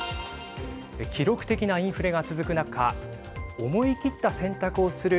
記録的なインフレが続く中思い切った選択をする